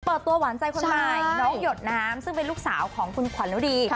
เปิดตัวหวานใจคนใหม่น้องหยดน้ำซึ่งเป็นลูกสาวของคุณขวัญฤดี